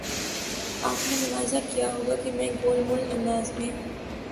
آپ نے ملاحظہ کیا ہو گا کہ میں گول مول انداز میں